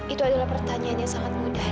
itu adalah pertanyaan yang sangat mudah